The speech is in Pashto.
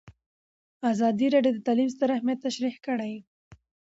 ازادي راډیو د تعلیم ستر اهميت تشریح کړی.